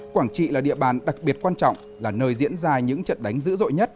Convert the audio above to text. quảng trị là địa bàn đặc biệt quan trọng là nơi diễn ra những trận đánh dữ dội nhất